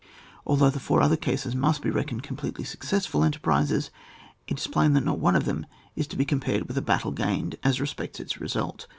Although the four other cases must be reckoned completely successful enterprises, it is plain that not one of them is to be compared with a battle gained as respects its result.